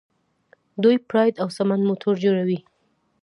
دوی پراید او سمند موټرې جوړوي.